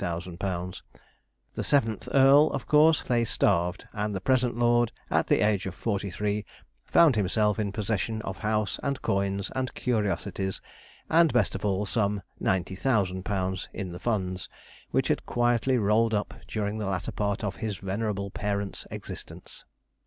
_ The seventh earl of course they starved; and the present lord, at the age of forty three, found himself in possession of house, and coins, and curiosities; and, best of all, of some 90,000_l._ in the funds, which had quietly rolled up during the latter part of his venerable parent's existence.